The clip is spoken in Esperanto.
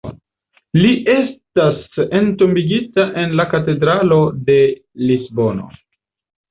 Li estas entombigita en la Katedralo de Lisbono.